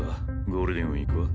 ゴールデンウイークは？